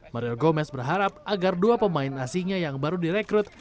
mario gomez berharap agar dua pemain asingnya yang baru direkrut